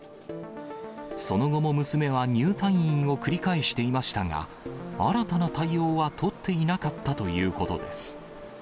その後も娘は入退院を繰り返していましたが、新たな対応は取っていなかったということです。